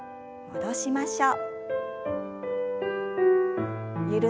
戻しましょう。